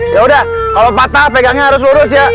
yaudah kalau patah pegangnya harus lurus ya